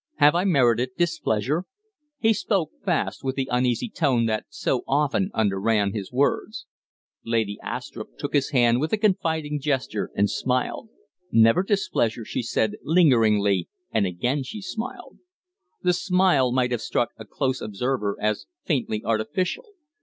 "Have I merited displeasure?" He spoke fast, with the uneasy tone that so often underran his words. Lady Astrupp took his hand with a confiding gesture and smiled. "Never displeasure," she said, lingeringly, and again she smiled. The smile might have struck a close observer as faintly, artificial.